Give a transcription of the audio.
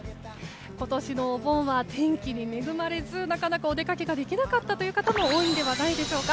今年のお盆は天気に恵まれず、なかなかお出かけができなかった方も多いんではないでしょうか。